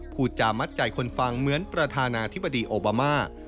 พูดจามัดใจคนฟังเหมือนประธานาธิบดีโอบามา